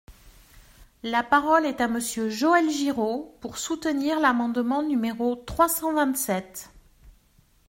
La parole est à Monsieur Joël Giraud, pour soutenir l’amendement numéro trois cent vingt-sept.